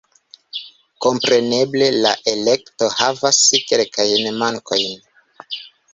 Kompreneble la elekto havas kelkajn mankojn.